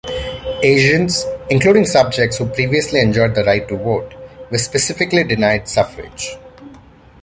Asians, including subjects who previously enjoyed the right to vote, were specifically denied suffrage.